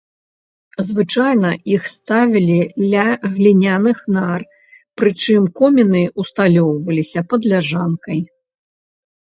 Звычайна іх ставілі ля гліняных нар, прычым коміны ўсталёўваліся пад ляжанкай.